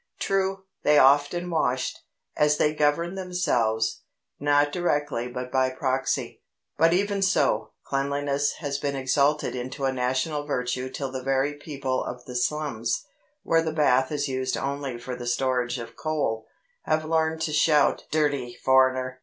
True, they often wash, as they govern themselves, not directly but by proxy; but, even so, cleanliness has been exalted into a national virtue till the very people of the slums, where the bath is used only for the storage of coal, have learned to shout "Dirty foreigner!"